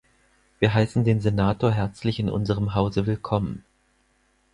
Wir heißen den Senator herzlich in unserem Hause willkommen.